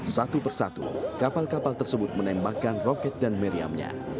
satu persatu kapal kapal tersebut menembakkan roket dan meriamnya